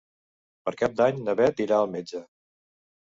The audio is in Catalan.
Per Cap d'Any na Beth irà al metge.